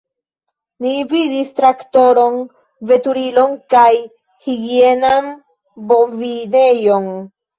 Ni vidis traktoron, veturilon kaj higienan bovinejon.